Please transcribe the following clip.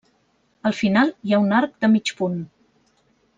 Al final hi ha un arc de mig punt.